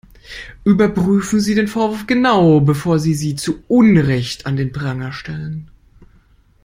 Überprüfen Sie den Vorwurf genau, bevor Sie sie zu Unrecht an den Pranger stellen.